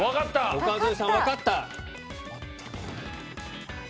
岡副さん分かった。